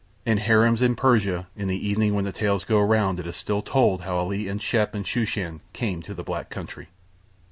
In harems in Persia in the evening when the tales go round it is still told how Ali and Shep and Shooshan came to the Black country.